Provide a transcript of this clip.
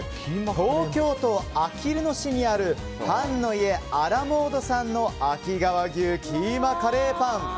東京都あきる野市にあるパンの家あ・ら・もーどさんの秋川牛キーマカレーパン。